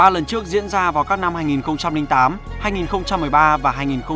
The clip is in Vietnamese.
ba lần trước diễn ra vào các năm hai nghìn tám hai nghìn một mươi ba và hai nghìn một mươi tám